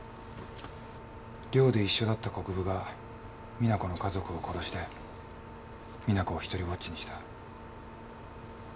寮で一緒だった国府が実那子の家族を殺して実那子を独りぼっちにした。